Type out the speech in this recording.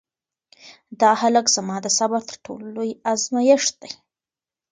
دغه هلک زما د صبر تر ټولو لوی ازمېښت دی.